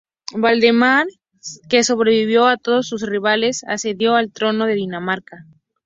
Valdemar, que sobrevivió a todos sus rivales, accedió al trono de Dinamarca.